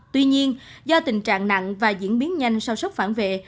tuy nhiên do tình trạng nặng và diễn biến nhanh sau sốc phản vệ